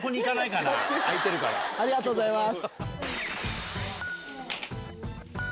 ありがとうございます。